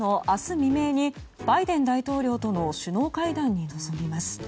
未明にバイデン大統領との首脳会談に臨みます。